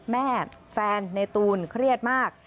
แฟนในตูนเครียดมาก